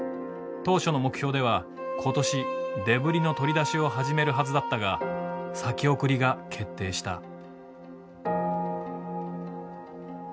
当初の目標では今年デブリの取り出しを始めるはずだったが先送りが決定した。